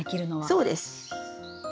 そうです。